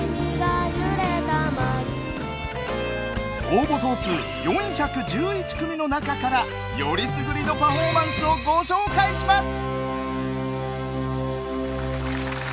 応募総数４１１組の中からよりすぐりのパフォーマンスをご紹介します！